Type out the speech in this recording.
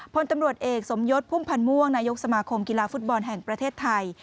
พลตำรวจเอกสมยศพุ่มพันธ์ม่วงนายกสมาคมกีฬาฟุตบอลแห่งประเทศไทย